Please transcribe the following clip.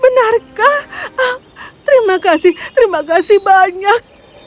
benarkah terima kasih terima kasih banyak